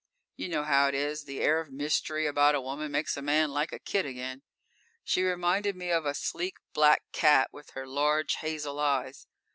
_ _You know how it is: the air of mystery about a woman makes a man like a kid again. She reminded me of a sleek, black cat, with her large, hazel eyes.